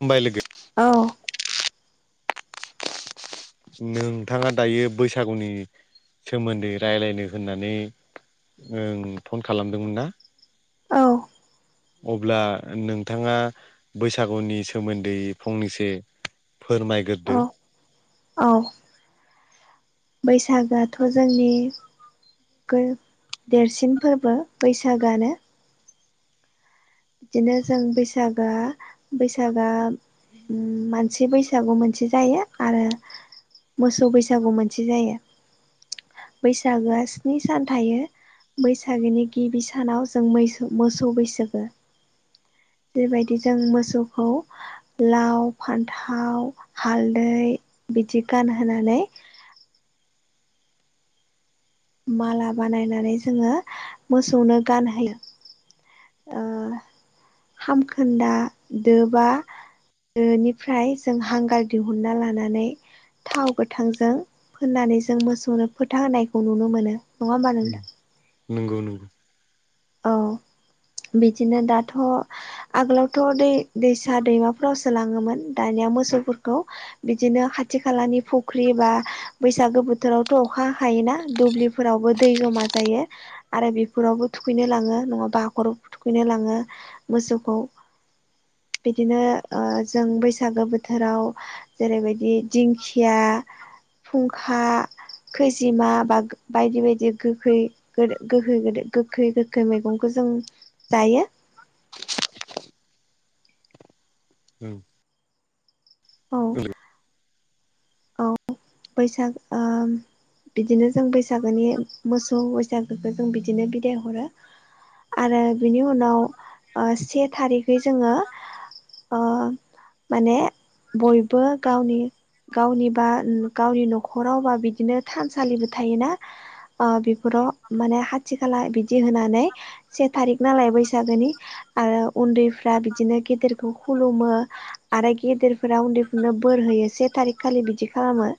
खुलुमबाय लोगो औ नोंथाङा दायो बैसागुनि सोमोन्दै राय्लायनो होननानै ओं फन खालामदोंमोन ना? औ अब्ला नोंथाङा बैसागुनि सोमोन्दै फंनैसो फोरमाय औ गोरदो औ [inaudible] बैसागोआथ' जोंनि गो देरसिन फोरबो बैसागोआनो बिदिनो जों बैसागोआ बैसागआ उम मान से बैसागु मोनसे जायो आरो मोसौ बैसागु मोनसे जायो। बैसागोआ स्नि सान थायो। बैसागोनि गिबि सानाव जों मैसो मोसौ बैसागो बेबायदि जों मोसौखौ लाव फान्थाव हालदै बिदि गानहोनानै माला बानायनानै जोङो मोसौनो गानहोयो। ओ खामखोन्दा दो बा दोनिफ्राय जों हांगार दिहुनना लानानै। थाव गोथांजों फोननानै जों मोसौनो फोथा होनायखौ नुनो मोनो। होमबा नोंथां नंगौ नंगौ। औ बिदिनो दाथ' आगोलावथ' दै दैसा दैमाफोरावसो लाङोमोन दानिया मोसौफोरखौ बिदिनो खाथि खालानि फुख्रि बा बैसागो बोथोरावथ' अखा हाखायोना दुब्लिफोरावबो दै जमा जायो। आरो बेफोरावबो थुखैनो लाङो नङाबा हाखराव थुखैनो लाङो मोसौखौ। बिदिनो ओ जों बैसागो बोथोराव जेरैबायदि दिंखिया फुंखा खैजिमा बा बायदि बायदि गोखै गोदो गोखै गोदो गोखै गोखै मैगंखौ जों जायो। ओं औ। बैसाग ओ बिदिनो जों बैसागोनि मोसौ बैसागोखौ जों बिदिनो बिदाय हरो आरो बिनि उनाव ओ से थारिखै जोङो। ओ माने बयबो गावनि गावनि बा उम गावनि न'खरावबा बिदिनो थानसालिबो थायोना ओ बेफोराव माने हाथि खाला बिदि होनानै से थारिख नालाय बैसागोनि आरो उन्दैफ्रा बिदिनो गेदेरखौ खुलुमो। आरो गेदेरफोरा उन्दैफोरनो बोर होयो से थारिख खालि बिदि खालामो।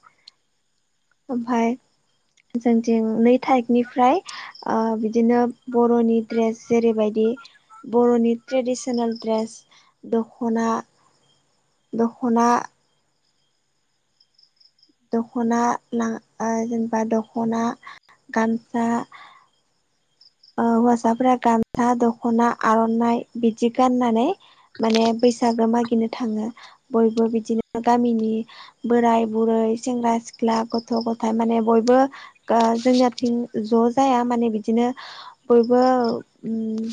ओमफाय जोंथिं नै थारिखनिफ्राय ओ बिदिनो बर'नि ड्रेस जेरैबायदि बर'नि ट्रेडिसनेल ड्रेस दखना। दखना दख'ना ला ओ जेनेबा दख'ना, गामसा ओ हौवासाफोरा गामसा, दख'ना, आर'नाय बिदि गाननानै माने बैसागो मागिनो थाङो। बयबो बिदिनो गामिनि बोराय बुरै सेंग्रा सिख्ला गथ' गथाय माने बयबो गो जोंना बिथिं ज' जाया माने बिदिनो बयबो उम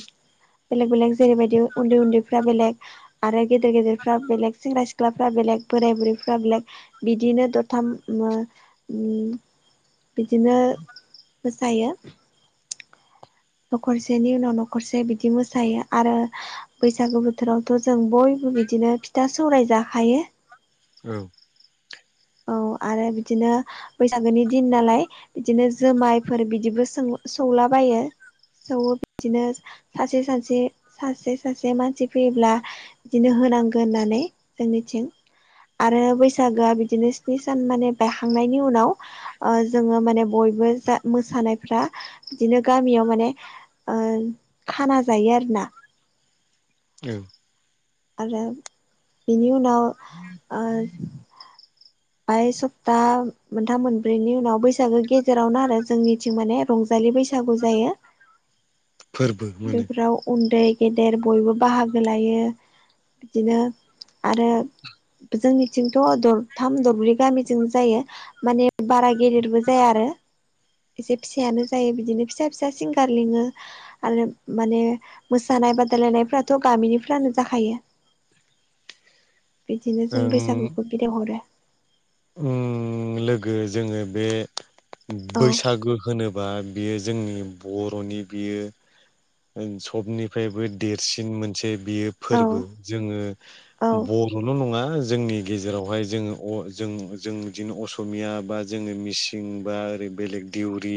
बेलेक बेलेक जेरैबायदि उन्दै उन्दैफ्रा बेलेक आरो गेदेर गेदेरफ्रा बेलेग सेंग्रा सिख्लाफ्रा बेलेग बोराय बुरैफ्रा बेलेग बिदिनो दथाम मो उम बिदिनो मोसायो न'खरसेनि उनाव न'खरसे बिदि मोसायो आरो बैसागु बोथोराव थ' जों बयबो बिदिनो फिथा सौराय जाखायो। औ। औ आरो बिदिनो बैसागोनि दिन नालाय बिदिनो जुमायफोर बिदिबो सौलाबायो। सौ बिदिनो सासे सासे सासे सासे मानसि फैयोब्ला बिदिनो होनांगोन होननानै जोंनिथिं आरो बैसागोआ बि बिनो स्नि सान माने बायखांनायनि उनाव जोङो माने बयबो मोसा -मोसानायफ्रा बिदिनो गामियाव माने ओ खाना जायो आरोना। औ आरो बेनि उनाव ओ बाय सप्ता मोनथाम मोनब्रैनि उनाव बैसागो गेजेरावनो आरो जोंनिथिं माने रंजालि बैसागु जायो। फोरबो मोनो बेफोराव उन्दै गेदेर बयबो बाहागो लायो। बिदिनो आरो जोंनिथिंथ' दरथाम दरब्रै गामिजों जायो। माने बारा गेदेरबो जाया आरो एसे फिसायानो जायो बिदिनो फिसा फिसा सिंगार लिङो। आरो माने मोसानाय बादायलायनायफ्राथ' गामिनिफ्रानो जाखायो। बिदिनो जों ओं बैसागुखौ बिदाय हरो। ओं लोगो जोङो बे औ बैसागु होनोबा बियो जोंनि बर'नि बियो सबनिफ्रायबो देरसिन मोनसे बेयो औ फोरबो। जोङो औ बर'निल' नङा जोंनि गेजेरावहाय जोङो जों जों बिदिनो असमिया बा जोङो मिसिं बा ओरै बेलेग दिउरि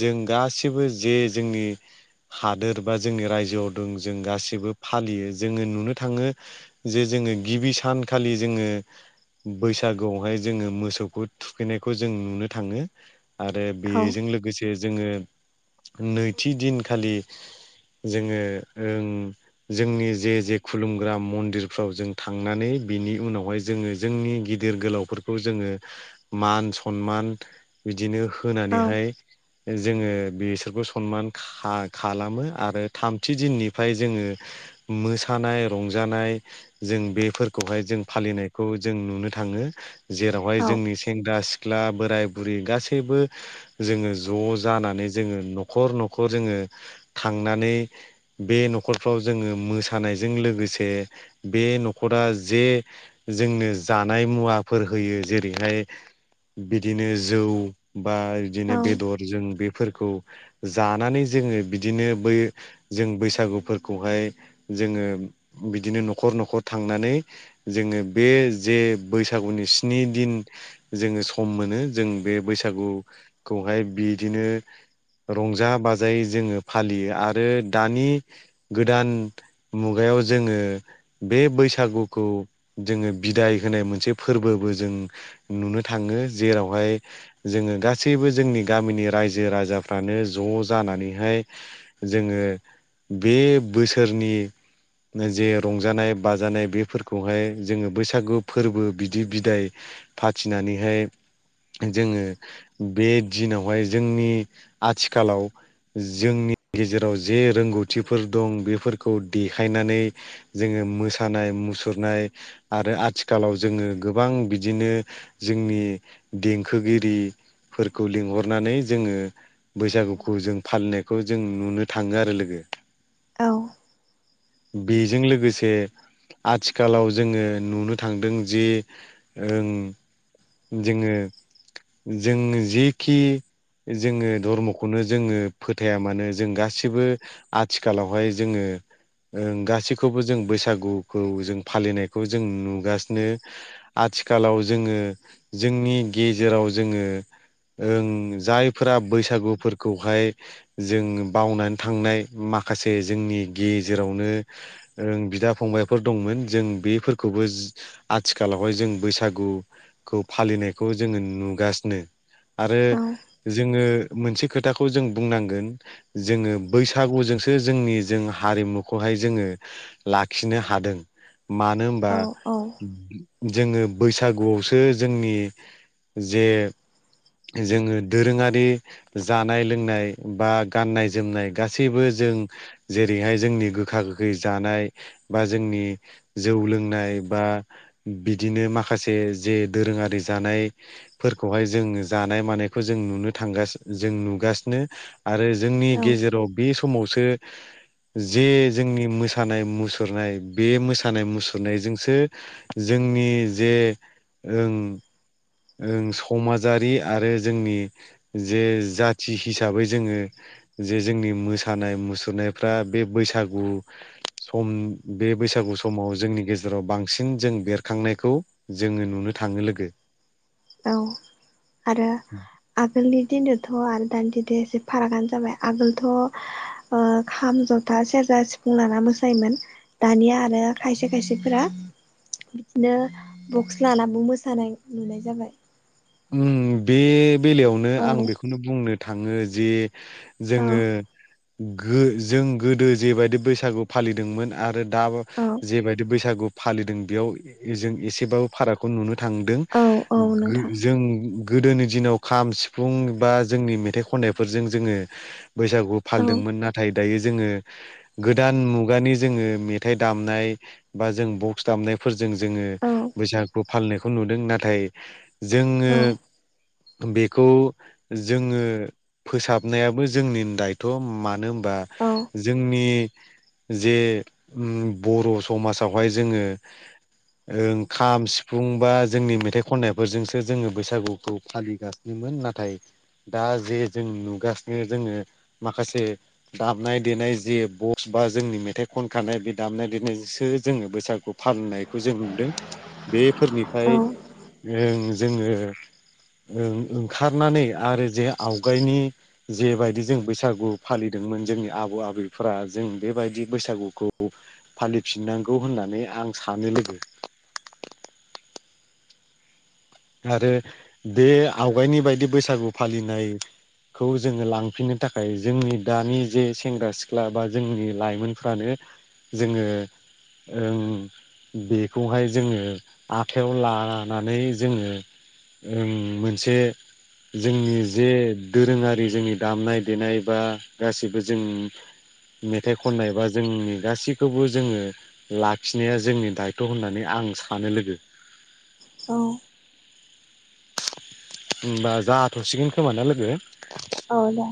जों गासिबो जे जोंनि हादोर बा जोंनि रायजोआव दं जों गासिबो फालियो। जोङो नुनो थाङो जे जोङो गिबि सानखालि जोङो बैसागोआवहाय जोङो मोसौखौ थुखैनायखौ जों नुनो थाङो। आरो बेजों लोगोसे जे जोङो नैथि दिनखालि जोङो ओ जोंनि जे जे खुलुमग्रा मन्दिरफ्राव जों थांनानै बिनि उनावहाय जोङो जोंनि गिदिर गोलावफोरखौ जोङो मान सनमान बिदिनो औ होनानैहाय जोङो बिसोरखौ सनमान खालामो। आरो थामथि दिननिफ्राय जोङो मोसानाय रंजानाय जों बेफोरखौहाय जों फालिनायखौ जों नुनो थाङो। जेरावहाय जोंनि सेंग्रा सिख्ला बोराय बुरि गासैबो जोङो ज' जानानै जोङो न'खर न'खर जोङो थांनानै बे न'खरफ्राव जोङो मोसानायजों लोगोसे बे न'खरा जे जोंनो जानाय मुवाफोर होयो जेरैहाय बिदिनो जौ बा बिदिनो औ बेदर जों बेफोरखौ जानानै जोङो बिदिनो बै जों बैसागुफोरखौहाय जोङो बिदिनो न'खर न'खर थांनानै जोङो बे जे बैसागुनि स्नि दिन जोङो सम मोनो जों बे बैसागुखौहाय बिदिनो रंजा बाजायै जोङो फालियो। आरो दानि गोदान मुगायाव जोङो बे बैसागुखौ जोङो बिदाय होनाय मोनसे फोरबोबो जों नुनो थाङो। जेरावहाय जोङो गासैबो जोंनि गामिनि रायजो राजाफ्रानो ज' जानानैहाय जोङो बे बोसोरनि जे रंजानाय बाजानाय बेफोरखौहाय जोङो बैसागु फोरबो बिदो बिदाय फाथिनानैहाय जोङो बे दिनाव हाय जोंनि आथिखालाव जोंनि गेजेराव जे रोंगौथिफोर दं बेफोरखौ देखायनानै जोङो मोसानाय मुसुरनाय आरो आथिखालाव जोङो गोबां बिदिनो जोंनि देंखोगिरिफोरखौ लिंहरनानै जोङो बैसागुखौ जों फालिनायखौ जों नुनो थाङो आरो लोगो औ। बेजों लोगोसे आथिखालाव जोङो नुनो थांदों जे ओं। जोङो जों जेखि जोङो धर्मखौनो जोङो फोथाया मानो जों गासिबो आथिखालाव हाय जोङो ओं गासैखौबो जों बैसागुखौ जों फालिनायखौ जों नुगासिनो । आथिखालाव जोङो जोंनि गेजेराव जोङो ओं जायफोरा बैसागुफोरखौ हाय जों बावनानै थांनाय माखासे जोंनि गेजेरावनो ओं बिदा फंबायफोर दंमोन जों बेफोरखौबो आथिखालाव हाय जों बैसागु खौ फालिनायखौ जोङो नुगासिनो आरो औ जोङो । मोनसे खोथाखौ जों बुंनांगोन जोङो बैसागुजोंसो जोंनि जों हारिमुखौ हाय जोङो लाखिनो हादों मानो होमबा औ औ जोङो बैसाग गुआवसो जोंनि जे जोङो दोरोङारि जानाय लोंनाय बा गाननाय जोमनाय गासैबो जों जेरै हाय जोंनि गोखा गोखै जानाय । बा जोंनि जौ लोंनाय बा बिदिनो माखासे जे जे दोरोङारि जानाय फोरखौहाय जों जानाय मानायखौ जों नुनो थांगा जों नुगासिनो । आरो जोंनि औ गेजेराव बे समावसो जे जोंनि मोसानाय मुसुरनाय बे मोसानाय मुसुरनायजोंसो जोंनि जे ओं ओं समाजारि आरो जोंनि जे जाथि हिसाबै जोङो । जे जोंनि मोसानाय मुसुरनायफ्रा बे बैसागु सम बे बैसागु समाव जोंनि गेजेराव बांसिन जों बेरखांनायखौ जोङो नुनो थाङो लोगो । औ आरो आगोलनि दिनथ' आरो दानि दिदो एसे फारागानो जाबाय आगोलथ' ओ खाम जथा सेरजा सिफुं लाना मोसायोमोन । दानिया आरो खायसे खायसेफोरा बिदिनो बक्स लानाबो मोसानाय नुनाय जाबाय । उम बे बेलायावनो औ आं बेखौनो बुंनो थाङो जे औ जोङो गो जों गोदो जेबायदि बैसागु फालिदोंमोन आरो दाब औ जेबायदि बैसागु फालिदों बेयाव जों एसेबाबो फारागखौ नुनो थांदों औ औ । गो नोंथां जों गोदोनि दिनाव खाम सिफुं बा जोंनि मेथाइ खननायफोरजों जोङो बैसागु औ फालिदोंमोन नाथाय दायो जोङो गोदान मुगानि जोङो मेथाइ दामनाय बा जों बक्स दामनायफोरजों जोङो औ बैसागु फालिनायखौ नुदों नाथाय जोङो बेखौ जोङो फोसाबनायाबो जोंनिनो दायथ' मानो होनबा औ जोंनि जे बर' समाजावहाय जोङो ओं खाम, सिफुं बा जोंनि मेथाइ खननाय बोजोंसो जोङो बैसागुखौ फालिगासिनोमोन नाथाय दा जे जों नुगासिनो जोङो माखासे दामनाय देनाय जे बखस बा जोंनि मेथाइ खनखानाय बे दामनाय देनायजोंसो जोङो बैसागु फाननायखौ जों नुदों औ बेफोरनिफ्राय ओं जोङो ओंखारनानै आरो जे आवगायनि जेबायदि जों बैसागु फालिदोंमोन जोंनि आबौ आबैफोरा जों बेबायदि बैसागुखौ फालिफिननांगौ होननानै आं सानो लोगो। आरो बे आवगायनि बायदि बैसागु फालिनाय खौ जोङो लांफिननो थाखाय जोंनि दानि जे सेंग्रा सिख्ला बा जोंनि लाइमोनफ्रानो जोङो ओं बेखौहाय जोङो आखायाव लानानै जोङो ओं मोनसे जोंनि जे दोरोङारि जोंनि दामनाय देनाय बा गासिबो जों [inaudible] मेथाइ खननाय बा जोंनि गासैखौबो जोङो लाखिनाया जोंनि दायथ' होननानै आं सानो लोगो औ [inaudible] होनबा जाथ'सिगोन खोमा ना लोगो। औ दे।